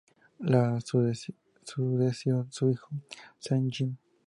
Le sucedió su hijo, Zheng Jing.